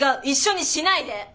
一緒にしないで！